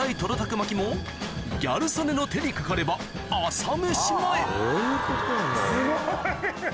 巻きもギャル曽根の手にかかれば朝飯前すごい！